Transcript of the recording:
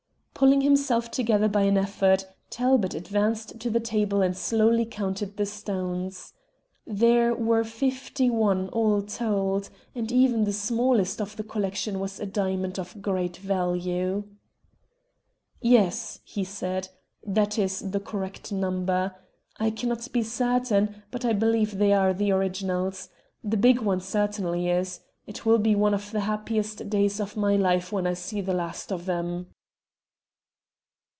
Pulling himself together by an effort, Talbot advanced to the table and slowly counted the stones. There were fifty one all told, and even the smallest of the collection was a diamond of great value. "Yes," he said, "that is the correct number. I cannot be certain, but I believe they are the originals. The big one certainly is. It will be one of the happiest days of my life when I see the last of them."